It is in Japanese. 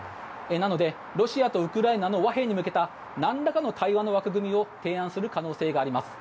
なので、ロシアとウクライナの和平に向けた何らかの対話に向けた枠組みを提案する可能性があります。